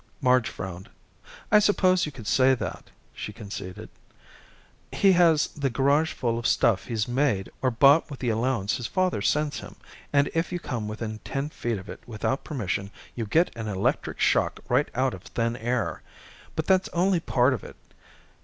Marge frowned. "I suppose you could say that," she conceded. "He has the garage full of stuff he's made or bought with the allowance his father sends him. And if you come within ten feet of it without permission, you get an electric shock right out of thin air. But that's only part of it.